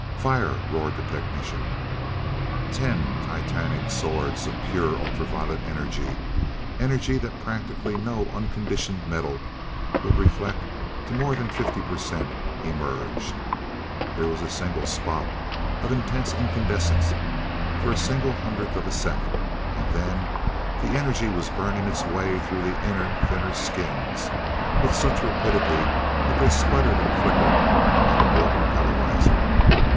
"Fire!" roared the technician. Ten titanic swords of pure ultra violet energy, energy that practically no unconditioned metal will reflect to more than fifty per cent, emerged. There was a single spot of intense incandescence for a single hundredth of a second and then the energy was burning its way through the inner, thinner skins with such rapidity that they sputtered and flickered like a broken televisor.